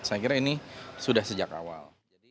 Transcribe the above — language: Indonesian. saya kira ini sudah sejak awal